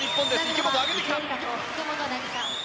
池本、上げてきた。